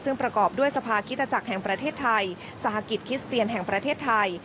ซึ่งประกอบด้วยสภาคิตจักรแห่งประเทศไทยสหกิจคริสเตียนแห่งประเทศไทย